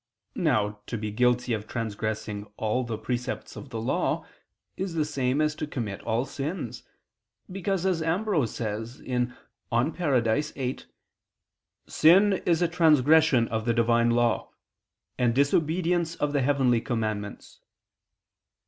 Now to be guilty of transgressing all the precepts of Law, is the same as to commit all sins, because, as Ambrose says (De Parad. viii), "sin is a transgression of the Divine law, and disobedience of the heavenly commandments."